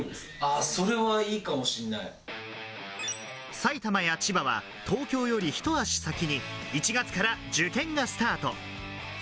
埼玉や千葉は、東京よりひと足先に、１月から受験がスタート。